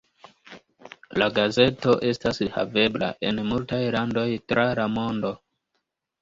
La gazeto estas havebla en multaj landoj tra la mondo.